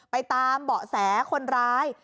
ไปตามเบาะแสคนร้าย